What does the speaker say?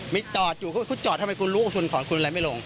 มีจอดอยู่คุณจอดทำไมคุณรู้ว่าคุณถอนคุณอะไรไม่ลง